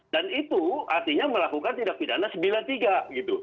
dan itu artinya melakukan tindak pidana sembilan puluh tiga gitu